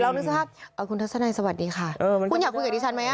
เรานึกสักครั้งอ่าคุณทัศนัยสวัสดีค่ะเออคุณอยากคุยกับดิฉันไหมอ่ะ